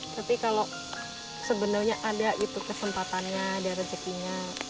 tapi kalau sebenarnya ada gitu kesempatannya dari cikgu